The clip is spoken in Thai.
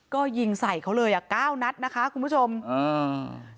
ก็ยิงใส่เขาเลยแค้วนัสนะคะคุณผู้ชมเออ